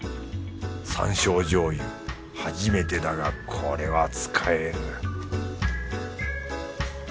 山椒醤油初めてだがこれは使える